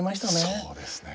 そうですね。